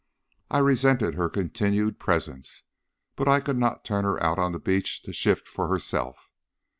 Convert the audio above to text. I resented her continued presence, but I could not turn her out on the beach to shift for herself.